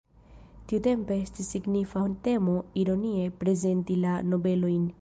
Tiutempe estis signifa temo ironie prezenti la nobelojn.